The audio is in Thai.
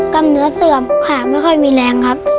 มเนื้อเสื่อมขาไม่ค่อยมีแรงครับ